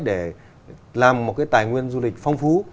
để làm một tài nguyên du lịch phong phú